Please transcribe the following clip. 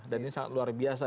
dan ini sangat luar biasa